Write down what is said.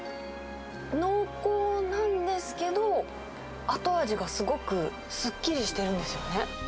濃厚なんですけど、後味がすごくすっきりしてるんですよね。